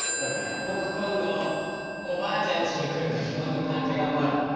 僕今度おばあちゃんちに来るときもっと漢字頑張る。